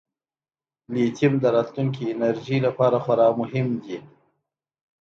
لیتیم د راتلونکي انرژۍ لپاره خورا مهم دی.